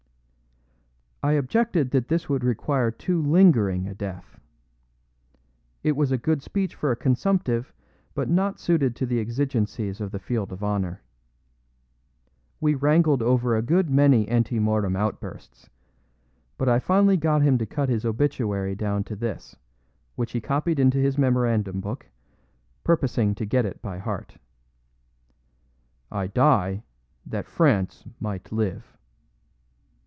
I objected that this would require too lingering a death; it was a good speech for a consumptive, but not suited to the exigencies of the field of honor. We wrangled over a good many ante mortem outbursts, but I finally got him to cut his obituary down to this, which he copied into his memorandum book, purposing to get it by heart: "I DIE THAT FRANCE MIGHT LIVE."